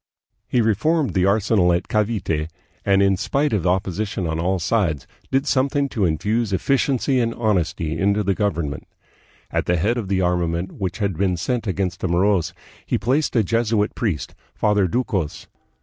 He reformed the arsenal at Cavite, and, in spite of opposition on all sides, did something to infuse efficiency and honesty into the government. At the head of the armament which had been sent against the Moros he placed a Jesuit priest, Father Ducos.